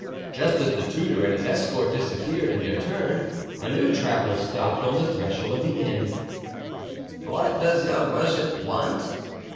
Just as the tutor and his escort disappeared in their turn, a new traveler stopped on the threshold of the inn. "What does your worship want?"